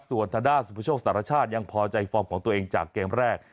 ส่วนธนดาสมุทธโชคสัตวชาติยังพอใจฟอร์มของตัวเองจากเกมแรก